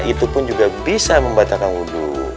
itu pun juga bisa membatalkan wudhu